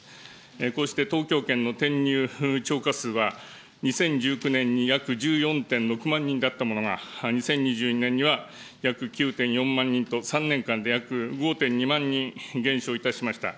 こうして東京圏の転入超過数は、２０１９年に約１４．６万人だったものが、２０２２年には約９．４万人と、３年間で約５．２万人減少いたしました。